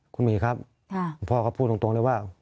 คุณหมีครับคุณพ่อก็พูดตรงเลยว่า